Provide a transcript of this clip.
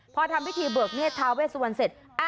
พอทำพิธีเบิกเนธทาเวสวันเสร็จ